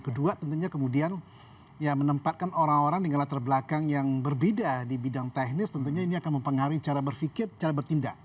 kedua tentunya kemudian ya menempatkan orang orang dengan latar belakang yang berbeda di bidang teknis tentunya ini akan mempengaruhi cara berpikir cara bertindak